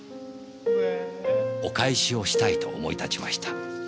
お返しをしたいと思い立ちました。